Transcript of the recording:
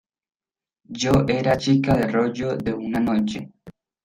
yo era chica de rollo de una noche.